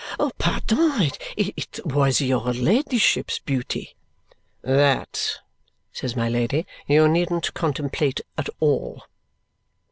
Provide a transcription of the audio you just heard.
"Pardon! It was your Ladyship's beauty." "That," says my Lady, "you needn't contemplate at all."